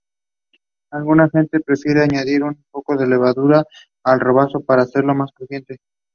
We knew that before!